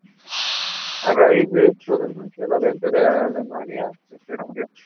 A raíz de esta denuncia, la venta en Alemania se interrumpió.